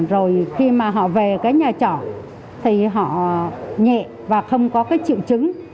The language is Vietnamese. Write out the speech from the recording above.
rồi khi mà họ về cái nhà trọ thì họ nhẹ và không có cái triệu chứng